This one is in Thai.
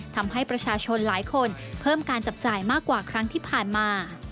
ทำให้ประชาชนหลายคนเพิ่มการจับจ่ายมากกว่าครั้งที่ผ่านมา